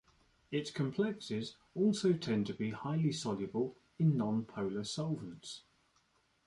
Its complexes also tend to be highly soluble in non-polar solvents.